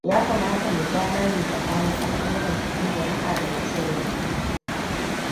Ya kamata mu ja layi tsakanin al'amuran cikin jama'a da na sirri.